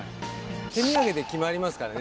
手土産で決まりますからね